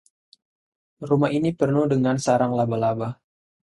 Rumah ini penuh dengan sarang laba-laba.